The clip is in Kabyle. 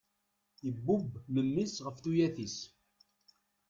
Ibubb mmi-s ɣef tuyat-is.